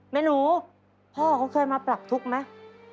แม่หนูพ่อเขาเคยมาปรับทุกข์ไหม